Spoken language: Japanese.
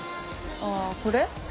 ああこれ？